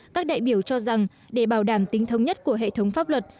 các đại biểu cho rằng để bảo đảm tính thống nhất của hệ thống pháp luật